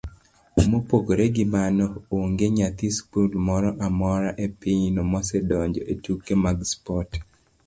Mopogore gi mano, onge nyathi skul moro amora epinyno mosedonjo etuke mag spot,